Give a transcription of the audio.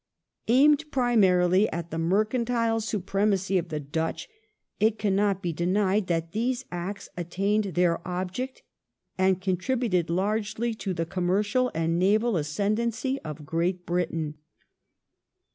Aimed primarily at the mercantile supremacy of the Dutch, it cannot be denied that these Acts attained their object, and contributed largely to the commercial and naval ascendancy of Great Britain.